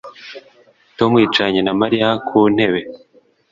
Tom yicaranye na Mariya ku ntebe